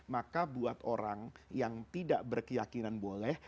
maka buat orang yang tidak berkeyakinan boleh